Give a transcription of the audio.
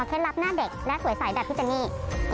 ขอแค่รับหน้าเด็กและสวยใสแบบพี่เจนนี่